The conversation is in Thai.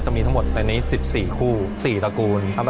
จะมีทั้งหมดใน๑๔คู่๔ตระกูลครับ